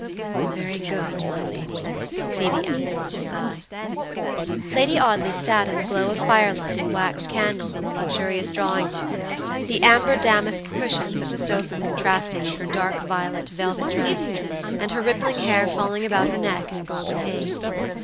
"You are very good, my lady," Phoebe answered with a sigh. Lady Audley sat in the glow of firelight and wax candles in the luxurious drawing room; the amber damask cushions of the sofa contrasting with her dark violet velvet dress, and her rippling hair falling about her neck in a golden haze.